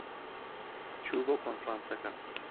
چوو بۆ کۆنفرانسەکە.